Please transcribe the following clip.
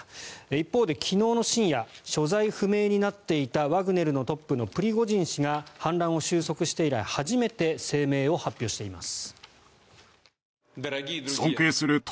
一方で、昨日の深夜所在不明になっていたワグネルのトップのプリゴジン氏が反乱を収束して以来初めて声明を発表しています。